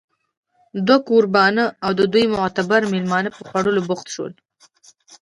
دوه کوربانه او د دوی معتبر مېلمانه په خوړلو بوخت شول